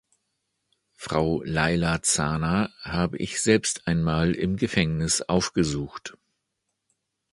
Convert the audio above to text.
Frau Leyla Zana habe ich selbst einmal im Gefängnis aufgesucht.